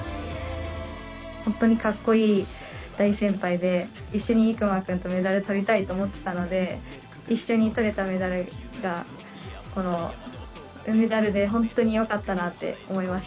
本当にかっこいい大先輩で、一緒に行真君とメダルとりたいと思ってたので、一緒にとれたメダルが、このメダルで本当によかったなって思い